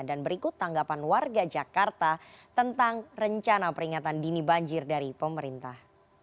dan berikut tanggapan warga jakarta tentang rencana peringatan dini banjir dari pemerintah